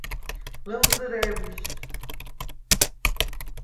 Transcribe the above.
ლჷმზჷრე̄უ̂ ლიშდ!